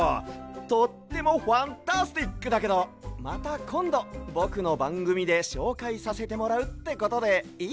とってもファンタスティックだけどまたこんどぼくのばんぐみでしょうかいさせてもらうってことでいいかな？